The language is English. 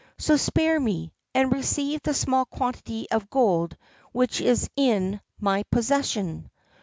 So spare me, and receive the small quantity of gold which is in my possession."